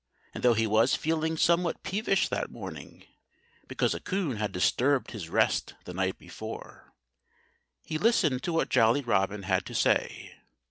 And though he was feeling somewhat peevish that morning, because a coon had disturbed his rest the night before, he listened to what Jolly Robin had to say.